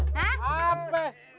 jatah gue mana